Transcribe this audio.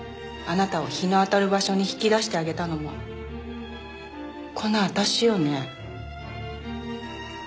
あなたを日の当たる場所に引き出してあげたのもこの私よね？